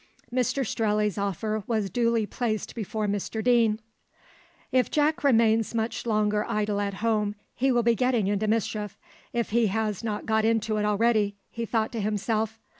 Mr Strelley's offer was duly placed before Mr Deane. "If Jack remains much longer idle at home, he will be getting into mischief, if he has not got into it already," he thought to himself.